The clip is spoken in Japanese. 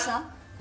私？